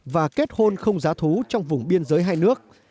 và kết hôn không giá thú trong vùng biên giới hai nước